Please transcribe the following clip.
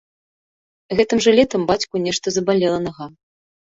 Гэтым жа летам бацьку нешта забалела нага.